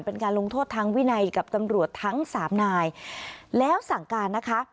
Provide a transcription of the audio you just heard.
เป็นการลงโทษทางวินัยกับตำรวจทั้งสามนายแล้วสั่งการนะคะ